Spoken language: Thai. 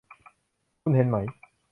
คุณเห็นไหม